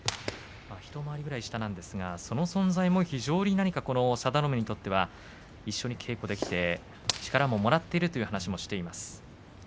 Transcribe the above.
一回りぐらい下なんですがその存在も非常に佐田の海にとっては一緒に稽古できて力ももらっているという話をしています。